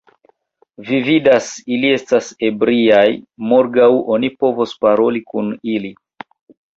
Vi vidas, ili estas ebriaj, morgaŭ oni povos paroli kun ili!